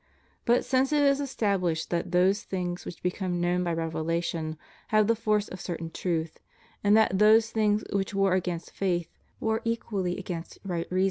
But since it is established that those things which become known by revelation have the force of certain truth, and that those things which war against faith war equally against right reason, ' Epist.